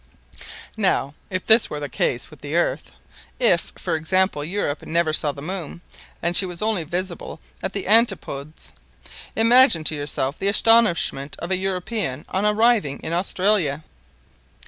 Now if this were the case with the earth—if, for example, Europe never saw the moon, and she was only visible at the antipodes, imagine to yourself the astonishment of a European on arriving in Australia."